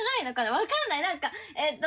分かんないなんかえっと。